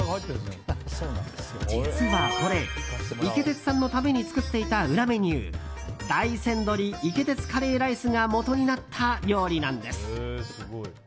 実はこれ、イケテツさんのために作っていた裏メニュー大山鶏イケテツカレーライスがもとになった料理なんです。